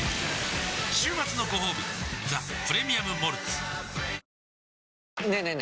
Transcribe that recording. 週末のごほうび「ザ・プレミアム・モルツ」ねえねえ